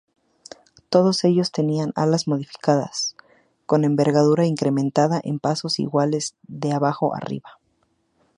Todos ellos tenían alas modificadas, con envergadura incrementada en pasos iguales de abajo arriba.